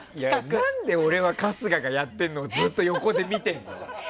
何で、俺は春日がやってるのをずっと横で見てるの。